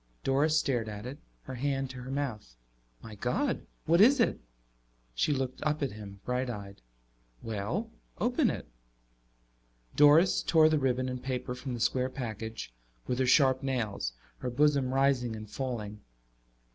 Doris stared at it, her hand to her mouth. "My God, what is it?" She looked up at him, bright eyed. "Well, open it." Doris tore the ribbon and paper from the square package with her sharp nails, her bosom rising and falling.